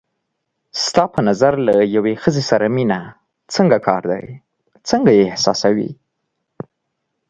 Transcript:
ستا په نظر له یوې ښځې سره مینه څنګه کار دی، څنګه یې احساسوې؟